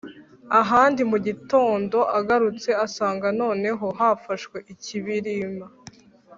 Ahandi mu gitondo agarutse asanga noneho hafashwe ikibirima